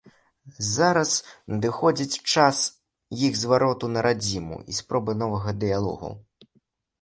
Зараз надыходзіць час іх звароту на радзіму і спробы новага дыялогу.